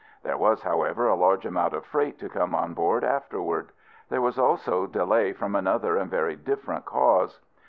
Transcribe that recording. There was, however, a large amount of freight to come on board afterward. There was also delay from another and very different cause.